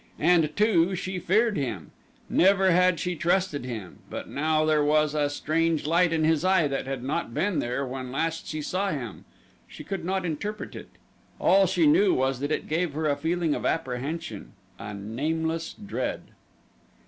And, too, she feared him. Never had she trusted him; but now there was a strange light in his eye that had not been there when last she saw him. She could not interpret it all she knew was that it gave her a feeling of apprehension a nameless dread.